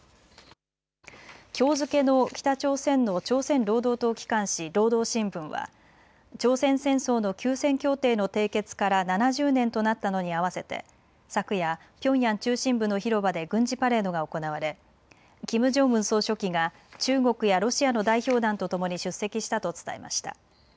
きょう付けの北朝鮮の朝鮮労働党機関紙、労働新聞は朝鮮戦争の休戦協定の締結から７０年となったのに合わせて昨夜ピョンヤン中心部の広場で軍事パレードが行われキム・ジョンウン総書記が中国やロシアの代表団とともに出席したと伝えました。